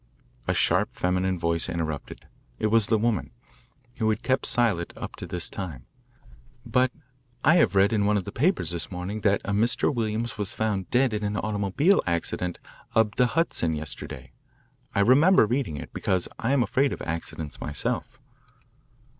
A sharp feminine voice interrupted. It was the woman, who had kept silent up to this time. "But I have read in one of the papers this morning that a Mr. Williams was found dead in an automobile accident up the Hudson yesterday. I remember reading it, because I am afraid of accidents myself."